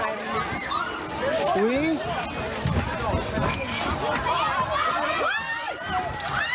อุ๊ยอุ๊ยอุ๊ยด้วย